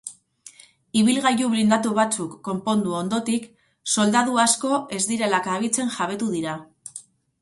Ibilgailu blindatu batzuk konpondu ondotik, soldadu asko ez direla kabitzen jabetu dira.